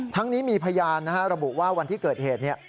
ทั้งนี้มีพยานระบุว่าวันที่เกิดเหตุ